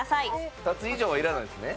２つ以上はいらないんですね？